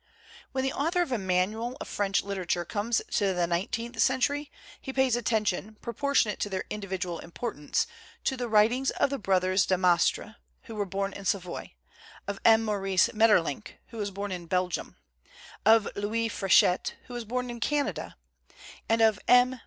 When the author of a manual of French literature comes to the nineteenth century he pays attention, proportionate to their individual importance, to the writings of the brothers de Maistre, who were born in Savoy, of M. Maurice Maeterlinck who was born in Belgium, of Louis Frechette who was born in Canada and of M.